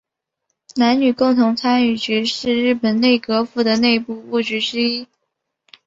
男女共同参与局是日本内阁府的内部部局之一。